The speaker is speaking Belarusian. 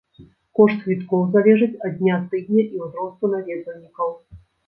Кошт квіткоў залежыць ад дня тыдня і ўзросту наведвальнікаў.